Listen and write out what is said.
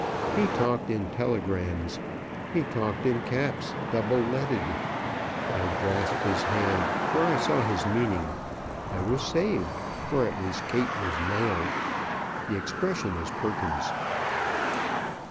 He talked in telegrams. He talked in caps, double leaded. I grasped his hand, for I saw his meaning. I was saved or at least Kate was nailed. The expression is Perkins's.